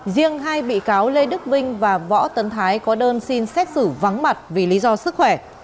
riêng hai bị cáo lê đức vinh và võ tấn thái có đơn xin xét xử vắng mặt vì lý do sức khỏe